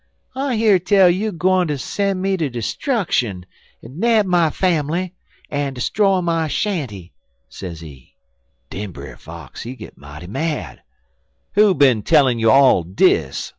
'I hear tell you gwine ter sen' me ter 'struckshun, en nab my fambly, en 'stroy my shanty,' sezee. "'Den Brer Fox he git mighty mad. 'Who bin tellin' you all dis?'